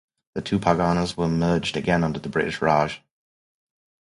The two parganas were merged again under the British Raj.